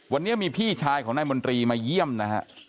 วันนี้มีพี่ชายของนายมนตรีมาเยี่ยมนะฮะ